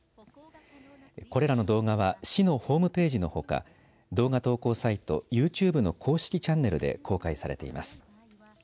これらの動画は市のホームページのほか動画投稿サイト、ユーチューブの公式チャンネルで公開されています。